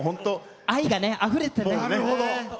愛があふれててね。